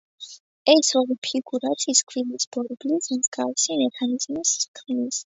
ეს ორი ფიგურა წისქვილის ბორბლის მსგავს მექანიზმს ქმნის.